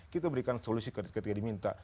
kita berikan solusi ketika diminta